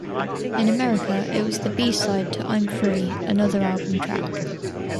In America, it was the B-Side to "I'm Free", another album track.